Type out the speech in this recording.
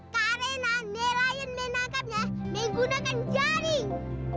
karena nelayan menangkapnya menggunakan jaring